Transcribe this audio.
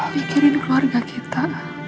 bikirin keluarga kita